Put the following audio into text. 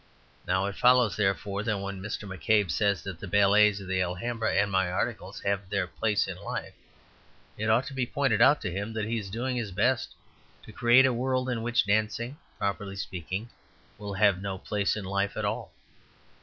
Now it follows, therefore, that when Mr. McCabe says that the ballets of the Alhambra and my articles "have their place in life," it ought to be pointed out to him that he is doing his best to create a world in which dancing, properly speaking, will have no place in life at all.